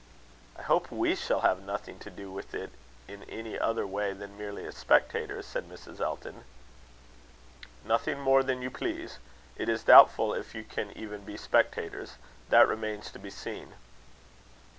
"I hope we shall have nothing to do with it in any other way than merely as spectators?" said Mrs. Elton. "Nothing more than you please. It is doubtful if you can even be spectators. That remains to be seen."